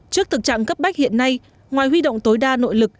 trước thực trạng cấp bách hiện nay ngoài huy động tối đa nội lực